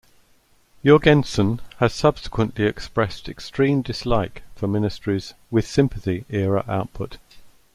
Jourgensen has subsequently expressed extreme dislike for Ministry's "With Sympathy"-era output.